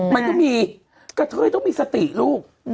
มันก็มีกระเทยต้องมีสติลูก